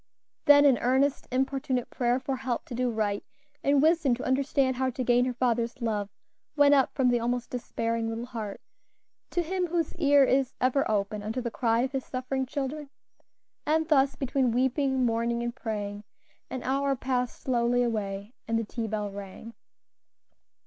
Then an earnest, importunate prayer for help to do right, and wisdom to understand how to gain her father's love, went up from the almost despairing little heart to Him whose ear is ever open unto the cry of His suffering children. And thus between weeping, mourning, and praying, an hour passed slowly away, and the tea bell rang.